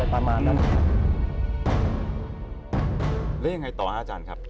แล้วยังไงต่ออาจารย์ครับ